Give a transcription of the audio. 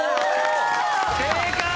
正解！